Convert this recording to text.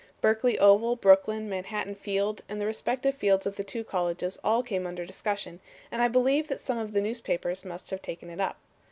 Berkeley Oval, Brooklyn, Manhattan Field, and the respective fields of the two colleges all came under discussion, and I believe that some of the newspapers must have taken it up.